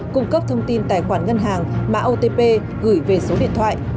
cung cấp thông tin tài khoản ngân hàng mã otp gửi về số điện thoại